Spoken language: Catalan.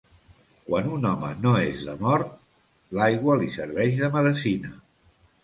Quan un home no és de mort, l'aigua li serveix de medecina.